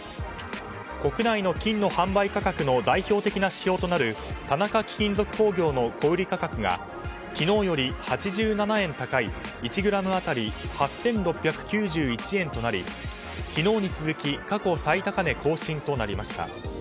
国内の金の販売価格の代表的な指標となる田中貴金属工業の小売価格が昨日より８１円高い１ｇ当たり８６９１円となり昨日に続き過去最高値更新となりました。